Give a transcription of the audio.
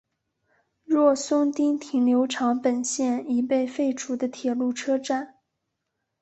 若松町停留场本线已被废除的铁路车站。